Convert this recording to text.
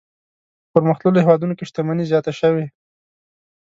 په پرمختللو هېوادونو کې شتمني زیاته شوې.